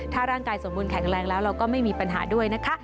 ถ้าร่างกายสมบูรณแข็งแรงแล้วเราก็ไม่มีปัญหาด้วยนะคะ